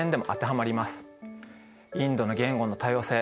インドの言語の多様性。